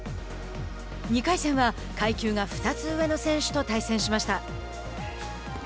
２回戦は階級が２つ上の選手と対戦しました。